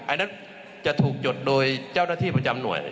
อันนั้นจะถูกหยดโดยเจ้าหน้าที่ประจำหน่วย